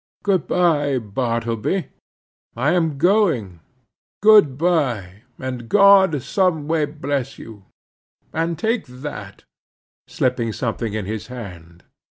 "Good bye, Bartleby; I am going—good bye, and God some way bless you; and take that," slipping something in his hand.